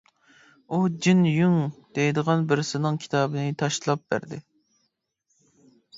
ئۇ جىن يۇڭ دەيدىغان بىرسىنىڭ كىتابىنى تاشلاپ بەردى.